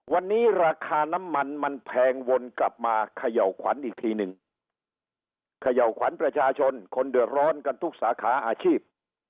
วันนี้ราคาน้ำมันมันแพงวนกลับมาเขย่าขวัญอีกทีหนึ่งเขย่าขวัญประชาชนคนเดือดร้อนกันทุกสาขาอาชีพ